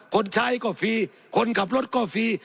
คนใช้ก็ฟรีคนขับรถก็ฟรี